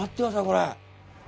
これ。